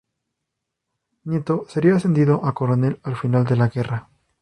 Nieto sería ascendido a coronel al final de la guerra.